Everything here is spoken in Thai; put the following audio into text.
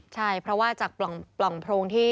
ใช่เพราะว่าจากปล่องโพรงที่